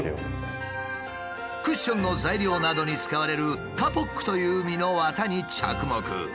クッションの材料などに使われる「カポック」という実の綿に着目。